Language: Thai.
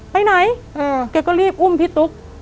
ไปไหนแกก็รีบอุ้มพี่ตุ๊ก